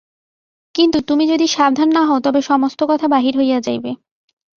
কিন্তু তুমি যদি সাবধান না হও, তবে সমস্ত কথা বাহির হইয়া যাইবে।